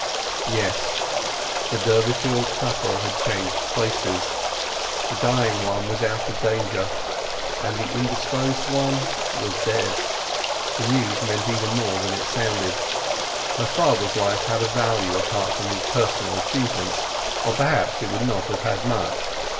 Yes; the Durbeyfield couple had changed places; the dying one was out of danger, and the indisposed one was dead. The news meant even more than it sounded. Her father's life had a value apart from his personal achievements, or perhaps it would not have had much.